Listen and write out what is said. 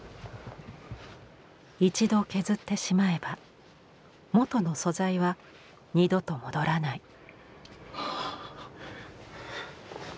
一度削ってしまえば元の素材は二度と戻らない。